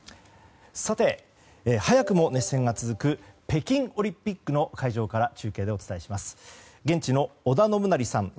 さて、早くも熱戦が続く北京オリンピックの会場から中継でお伝えします。